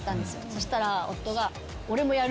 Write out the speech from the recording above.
そしたら夫が。